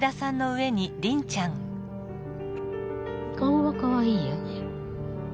顔はかわいいよね。